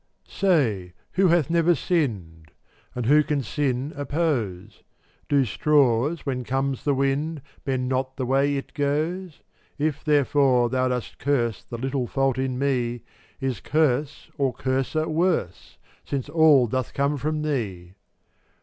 425 Say, who hath never sinned? (fttftAl* And who can sin oppose? 71 Do straws, when comes the wind, v|v£? Bend not the way it goes? 0unCf If, therefore, thou dost curse > The little fault in me, Is curse or curser worse? Since all doth come from Thee.